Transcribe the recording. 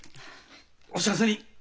お幸せに！